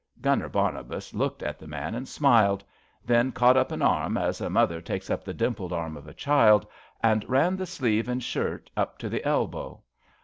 Gunner Barnabas looked at the man and smiled; then caught up an arm, as a mother takes up the dimpled arm of a child, and ran the sleeve and shirt up to the elbow.